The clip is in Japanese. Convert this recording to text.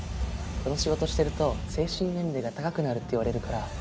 この仕事してると精神年齢が高くなるって言われるから。